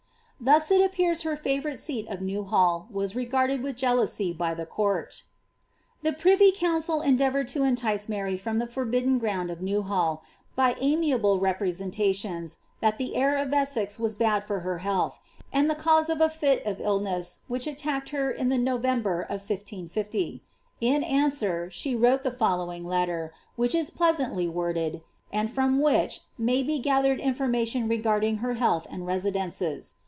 '' Thus it appears her &vourite scat of Fewhall was regarded with jealousy by the court The privy council endeavoured to entice Mary finom the forbiddea ground of Newhall, by amiable representations, that the air of Esiex was bad for her health, and the cause of a fit of illness which attacked her in the November of 1550 ; in answer, she wrote the following letter, which is pleasantly worded, and from which may be gathered informfr taon regarding her health and residences.